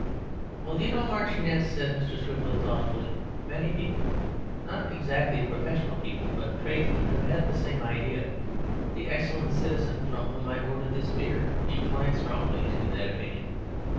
'Well, do you know, Marchioness,' said Mr. Swiveller thoughtfully, 'many people, not exactly professional people, but tradesmen, have had the same idea. The excellent citizen from whom I ordered this beer inclines strongly to that opinion.'"